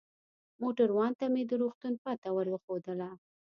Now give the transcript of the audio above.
موټروان ته مې د روغتون پته ور وښودل.